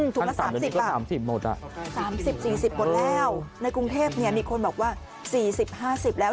ถุงละ๓๐บาท๓๐๔๐หมดแล้วในกรุงเทพมีคนบอกว่า๔๐๕๐แล้ว